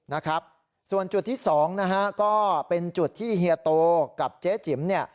นะครับส่วนจุดที่สองนะฮะก็เป็นจุดที่เฮียโตกับเจ๊จิ๋มเนี่ย